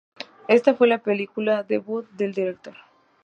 Esta fue la película debut del director.